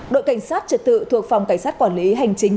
đội cảnh sát trật tự thuộc phòng cảnh sát quản lý hành chính